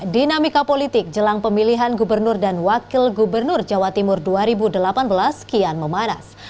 dinamika politik jelang pemilihan gubernur dan wakil gubernur jawa timur dua ribu delapan belas kian memanas